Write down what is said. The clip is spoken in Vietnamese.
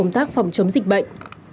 công tác phòng chống dịch bệnh